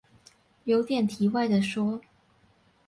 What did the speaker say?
有點題外的說